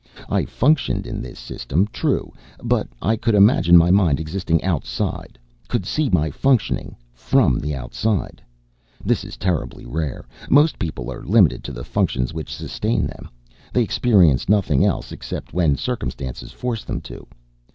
I functioned in this System, true, but I could imagine my mind existing outside, could see my functioning from the outside. This is terribly rare most people are limited to the functions which sustain them. They experience nothing else except when circumstances force them to.